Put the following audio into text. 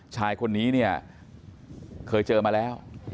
ชายคนนี้เคยเจอมาแล้ว